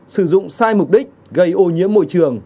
sử dụng sai mục đích gây ô nhiễm môi trường